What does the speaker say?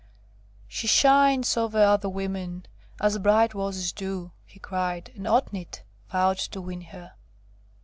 'She shines o'er other women as bright roses do!' he cried, and Otnit vowed to win her.